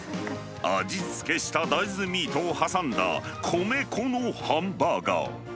味付けした大豆ミートを挟んだ米粉のハンバーガー。